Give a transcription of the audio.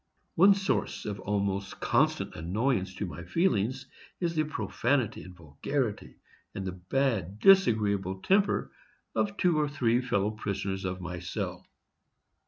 One source of almost constant annoyance to my feelings is the profanity and vulgarity, and the bad, disagreeable temper, of two or three fellow prisoners of my cell.